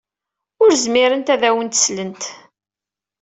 Ur zmirent ad awent-slent.